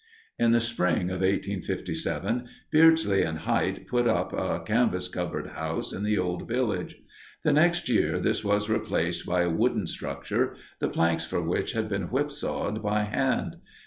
In the spring of 1857, Beardsley and Hite put up a canvas covered house in the old village. The next year this was replaced by a wooden structure, the planks for which had been whipsawed by hand.